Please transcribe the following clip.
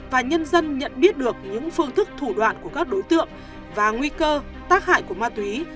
và nhân dân nhận biết được những phương thức thủ đoạn của các đối tượng và nguy cơ tác hại của ma túy